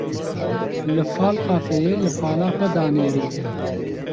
Li Fal kafeyê li fala xwe da nêrîn.